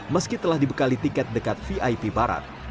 meski telah dibekali tiket dekat vip barat